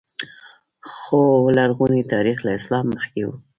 خو لرغونی تاریخ له اسلام مخکې و